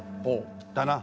だな。